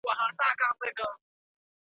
شپه که هر څومره اوږده سي عاقبت به سبا کېږي .